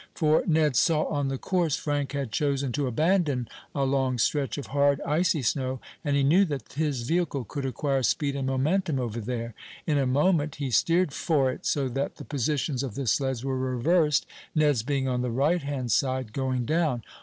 For Ned saw on the course Frank had chosen to abandon, a long stretch of hard, icy snow, and he knew that his vehicle could acquire speed and momentum over there. In a moment he steered for it, so that the positions of the sleds were reversed, Ned's being on the right hand side going down.